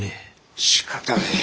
しかたねえ。